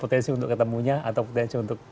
potensi untuk ketemunya atau potensi untuk